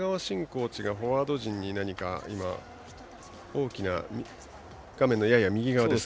コーチがフォワード陣に何か大きな画面のやや右側。